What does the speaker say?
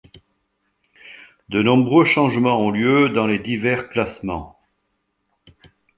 De nombreux changements ont lieu dans les divers classements.